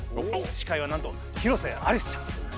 司会はなんと広瀬アリスちゃんです。